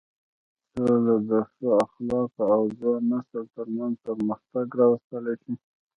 سوله د ښو اخلاقو او ځوان نسل تر منځ پرمختګ راوستلی شي.